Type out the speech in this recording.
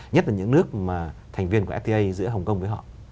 nhất là những nước thành viên của sda giữa hồng kông với họ